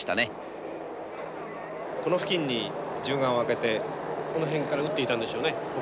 この付近に銃眼を開けてこの辺から撃っていたんでしょうね。